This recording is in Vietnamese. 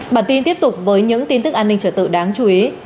bản tin tiếp tục với những tin tức an ninh trở tự đáng chú ý